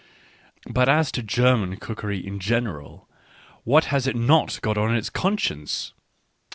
But as to German cookery in general — what has it not got on its conscience!